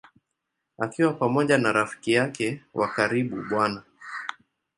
Akiwa pamoja na rafiki yake wa karibu Bw.